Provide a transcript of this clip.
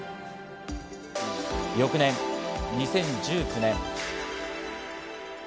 翌年、２０１９年。